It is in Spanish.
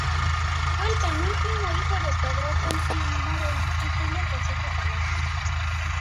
Fue el penúltimo hijo de Pedro Ponciano Moreno y Julia Josefa Palacios.